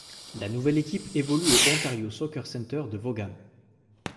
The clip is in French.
La nouvelle équipe évolue au Ontario Soccer Centre de Vaughan.